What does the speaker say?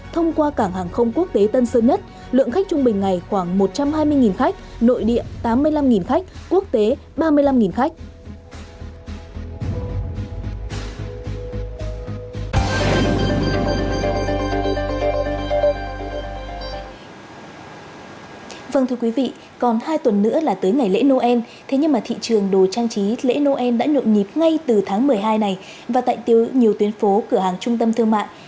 thông qua cảng hàng không quốc tế tân sơn nhất lượng khách trung bình ngày khoảng một trăm hai mươi khách